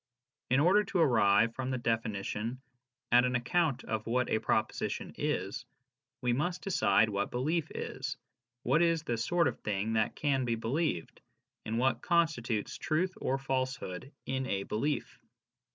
In order to arrive, from the definition, at an account of what a proposition is, we must decide what belief is, what is the sort of thing that can be believed, and what constitutes truth or falsehood in a belief.